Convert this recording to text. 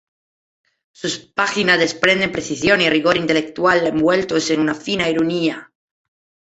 Sus páginas desprenden precisión y rigor intelectual envueltos en una fina ironía.